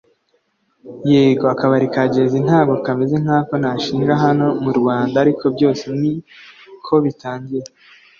yego akabari ka Jay-Z ntabwo kameze nk’ako nashinga hano mu Rwanda ariko byose ni ko bitangira